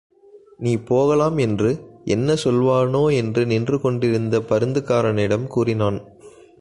நீ போகலாம் என்று, என்ன சொல்வானோ என்று நின்றுகொண்டிருந்த பருந்துக்காரனிடம் கூறினான்.